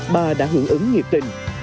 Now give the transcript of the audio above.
bà đã hưởng ứng nhiệt tình